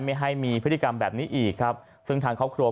ไม่ให้มีพฤติกรรมแบบนี้อีกครับซึ่งทางครอบครัว